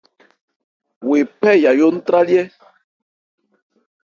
Wo ephɛ́ Yayó ntrályɛ́.